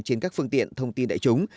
trên các phương tiện thông tin đại chúng